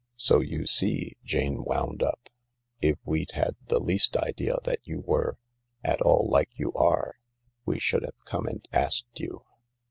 "So you see," Jane wound up, "if we'd had the least idea that you were — at all like you are, we should have come and asked you.